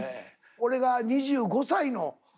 俺が２５歳の。